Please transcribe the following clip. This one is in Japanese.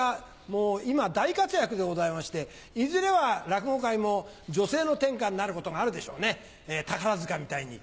もう今大活躍でございましていずれは落語界も女性の天下になることがあるでしょうね宝塚みたいに。